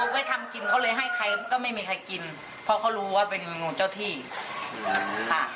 ไว้ทำกินเขาเลยให้ใครก็ไม่มีใครกินเพราะเขารู้ว่าเป็นงูเจ้าที่ค่ะ